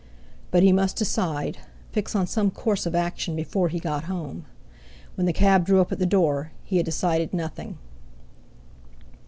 But he must decide, fix on some course of action before he got home. When the cab drew up at the door, he had decided nothing.